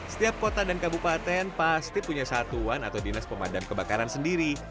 setiap kota dan kabupaten pasti punya satuan atau dinas pemadam kebakaran sendiri